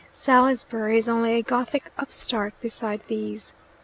Salisbury is only a Gothic upstart beside these.